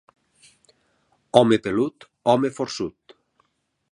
Home pelut, home forçut.